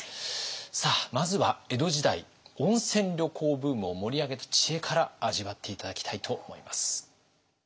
さあまずは江戸時代温泉旅行ブームを盛り上げた知恵から味わって頂きたいと思います。